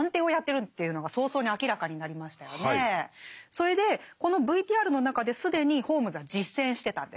それでこのＶＴＲの中で既にホームズは実践してたんです。